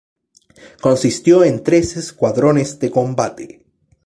Consistió en tres escuadrones de combate.